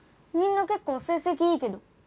みんな結構成績いいけど？